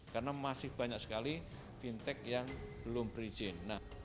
karena masih banyak sekali fintech yang belum berizin